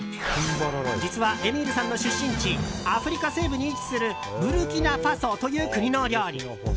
実は、エミールさんの出身地アフリカ西部に位置するブルキナファソという国の料理。